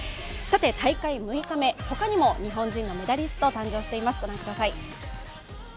大会６日目、他にも日本人のメダリスト誕生しています。